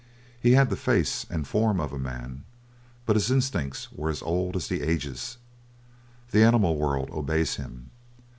He had the face and form of a man, but his instincts were as old as the ages. The animal world obeys him.